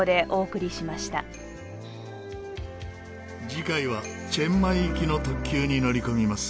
次回はチェンマイ行きの特急に乗り込みます。